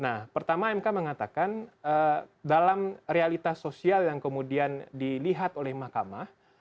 nah pertama mk mengatakan dalam realitas sosial yang kemudian dilihat oleh mahkamah